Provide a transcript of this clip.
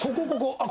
あっ！